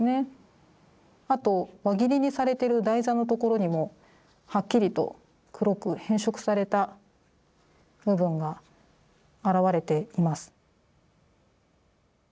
あと輪切りにされてる台座のところにもはっきりと黒く変色された部分が現れています。